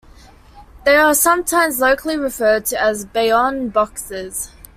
They are sometimes locally referred to as "Bayonne Boxes".